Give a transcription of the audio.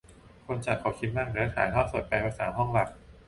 คนจัดเขาคิดมากเนอะ ถ่ายทอดสด แปลภาษาห้องหลัก